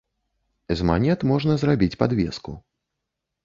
З манет можна зрабіць падвеску.